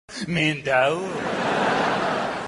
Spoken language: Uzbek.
«Azon.uz»: tayyor oshga bakovul topildimi?